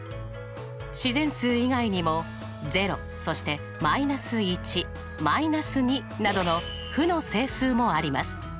自然数以外にも０そして−１−２などの負の整数もあります。